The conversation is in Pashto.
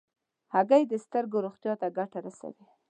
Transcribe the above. هګۍ د سترګو روغتیا ته ګټه رسوي.